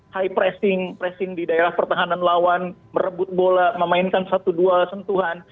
high pressing pressing di daerah pertahanan lawan merebut bola memainkan satu dua sentuhan